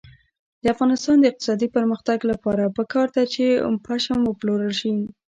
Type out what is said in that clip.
د افغانستان د اقتصادي پرمختګ لپاره پکار ده چې پشم وپلورل شي.